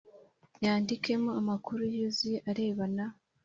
yandikemo amakuru yuzuye arebana